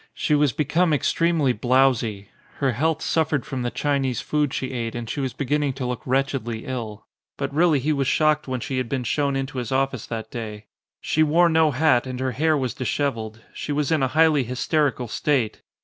She was be come extremely blowsy. Her health suffered from the Chinese food she ate and she was beginning to look wretchedly ill. But really he was shocked when she had been shown into his office that day. She wore no hat and her hair was dishevelled. She was in a highly hysterical state.